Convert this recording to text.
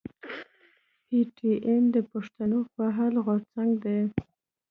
پي ټي ايم د پښتنو فعال غورځنګ دی.